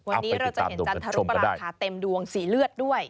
วันนี้เราจะเห็นจันทรุปราคาเต็มดวงสีเลือดด้วย